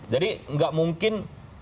jadi gak mungkin